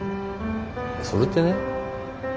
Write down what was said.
それってねもの